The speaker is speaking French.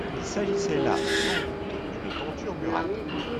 Il s'agissait là sans doute d'une tenture murale.